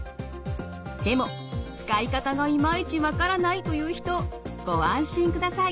でも使い方がいまいち分からないという人ご安心ください。